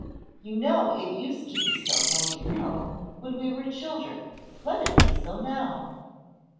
"You know it used to be so, my dear Helen, when we were children; let it be so now."